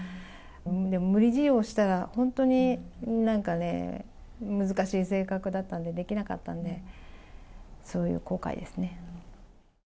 でも無理強いをしたら、本当になんかね、難しい性格だったんで、できなかったんで、そういう後悔ですね。